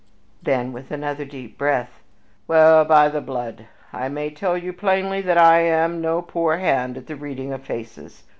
Then with another deep breath: "Well, by the blood! I may tell you plainly that I am no poor hand at the reading of faces.